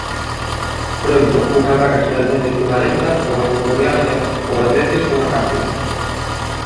Froito unha baga xeralmente zumarenta a algo coriácea ou ás veces unha cápsula.